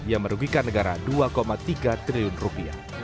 yang merugikan negara dua tiga triliun rupiah